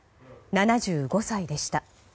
７５歳でした。